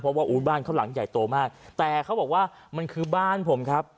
เพราะว่าอู้บ้านเขาหลังใหญ่โตมากแต่เขาบอกว่ามันคือบ้านผมครับ